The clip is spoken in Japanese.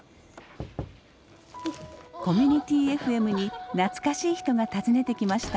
コミュニティＦＭに懐かしい人が訪ねてきました。